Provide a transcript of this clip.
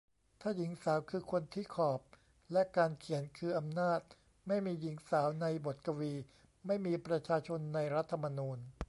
ถ้า หญิงสาว คือ คนที่ขอบ และ การเขียน คือ อำนาจ. ไม่มีหญิงสาวในบทกวี. ไม่มีประชาชนในรัฐธรรมนูญ.